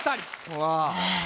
うわ。